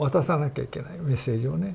メッセージをね。